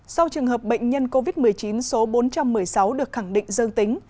sau trường hợp bệnh nhân covid một mươi chín số bốn trăm một mươi sáu được khẳng định dương tính